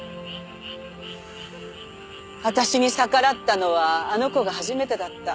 私に逆らったのはあの子が初めてだった。